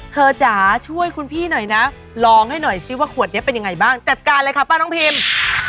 จ๋าช่วยคุณพี่หน่อยนะลองให้หน่อยซิว่าขวดนี้เป็นยังไงบ้างจัดการเลยค่ะป้าน้องพิม